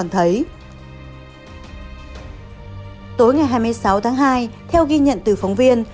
tối ngày hai mươi sáu tháng hai theo ghi nhận từ phóng viên